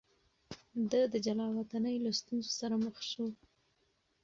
ده د جلاوطنۍ له ستونزو سره مخ شوی.